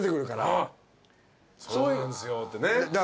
「そうなんですよ」ってね。